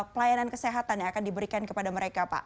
pelayanan kesehatan yang akan diberikan kepada mereka pak